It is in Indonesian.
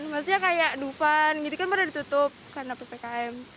maksudnya kayak dufan gitu kan pernah ditutup karena ppkm